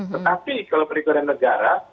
tetapi kalau perekonomian negara